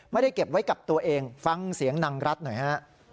ไม่ได้เก็บไว้กับตัวเองฟังเสียงนางรัฐหน่อยฮะ